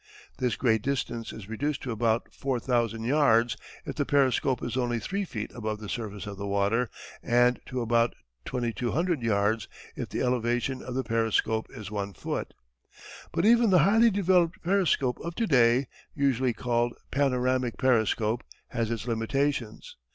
This great distance is reduced to about 4000 yards if the periscope is only 3 feet above the surface of the water and to about 2200 yards if the elevation of the periscope is 1 foot. But even the highly developed periscope of to day, usually called "panoramic periscope," has its limitations.